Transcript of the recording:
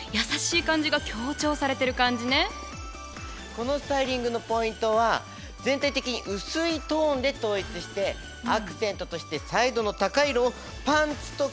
このスタイリングのポイントは全体的にうすいトーンで統一してアクセントとして彩度の高い色をパンツと靴に入れました。